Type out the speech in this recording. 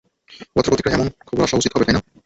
পত্র-পত্রিকায় এমন খবর আসা উচিত হবে, তাই না?